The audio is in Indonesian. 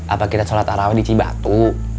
apa kita sholat tarawih di cibatu